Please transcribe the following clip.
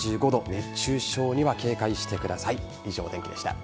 熱中症には警戒してください。